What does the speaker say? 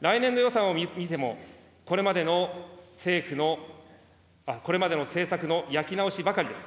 来年度予算を見ても、これまでの政府の、これまでの政策の焼き直しばかりです。